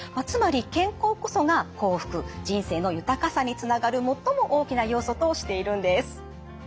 つまり健康こそが幸福人生の豊かさにつながる最も大きな要素としているんです。